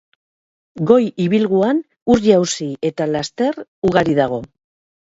Goi-ibilguan ur-jauzi eta laster ugari dago.